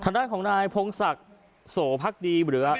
ทางด้านของนายพงศักดิ์โสพักดีหรือ